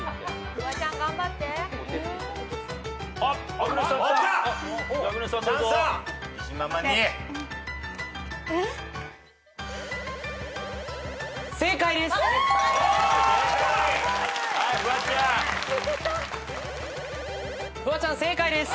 フワちゃん正解です。